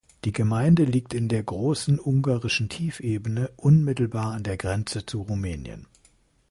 Die Gemeinde liegt in der Großen Ungarischen Tiefebene, unmittelbar an der Grenze zu Rumänien.